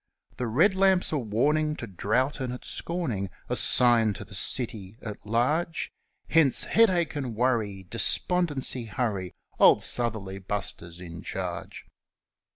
The red lamp's a warning to drought and its scorning A sign to the city at large Hence, Headache and Worry! Despondency, hurry! Old Southerly Buster's in charge.